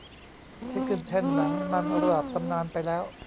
ที่ขึ้นแท่นหนังมันระดับตำนานไปแล้ว